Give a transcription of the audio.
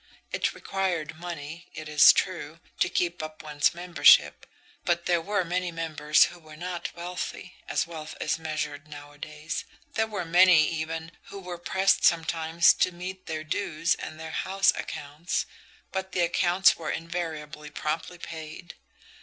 It required money, it is true, to keep up one's membership, but there were many members who were not wealthy, as wealth is measured nowadays there were many, even, who were pressed sometimes to meet their dues and their house accounts, but the accounts were invariably promptly paid.